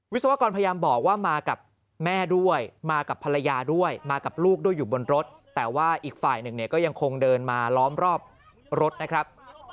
ศวกรพยายามบอกว่ามากับแม่ด้วยมากับภรรยาด้วยมากับลูกด้วยอยู่บนรถแต่ว่าอีกฝ่ายหนึ่งเนี่ยก็ยังคงเดินมาล้อมรอบรถนะครับ